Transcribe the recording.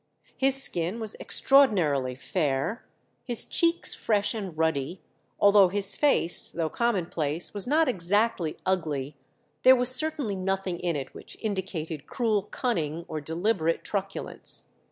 His skin was extraordinarily fair, his cheeks fresh and ruddy; altogether his face, though commonplace, was not exactly ugly; there was certainly nothing in it which indicated cruel cunning or deliberate truculence.